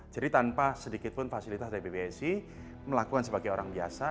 tidak ada sedikitpun fasilitas dari bpsi melakukan sebagai orang biasa